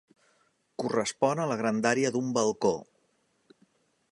Correspon a la grandària d'un balcó.